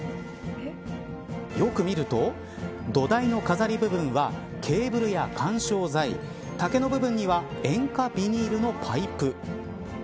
よく見ると土台の飾り部分はケーブルや緩衝材竹の部分には塩化ビニールのパイプ。